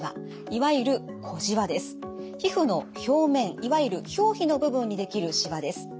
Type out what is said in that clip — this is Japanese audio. いわゆる皮膚の表面いわゆる表皮の部分にできるしわです。